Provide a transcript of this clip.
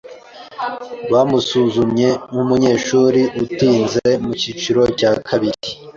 bamusuzumye nkumunyeshuri utinze mucyiciro cya kabiri.